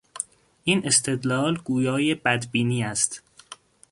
این استدلال گویای بدبینی است.